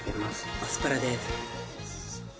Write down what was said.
アスパラです